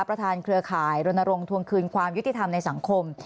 เครือข่ายรณรงค์ทวงคืนความยุติธรรมในสังคม